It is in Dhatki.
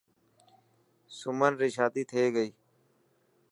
سمن ري شادي ٿي گئي.